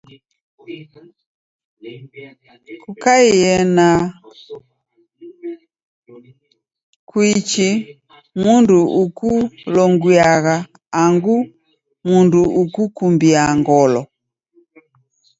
Kukaie na kochi, mndu okulonguya, angu mndu okukumbia ngolo.